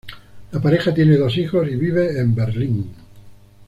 La pareja tiene dos hijos, y vive en Berlín.